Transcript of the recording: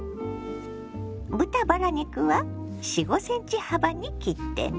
豚バラ肉は４５ｃｍ幅に切ってね。